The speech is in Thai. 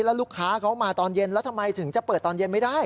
แล้วลูกค้าเขามาตอนเย็นแล้วทำไมถึงจะเปิดตอนเย็นไม่ได้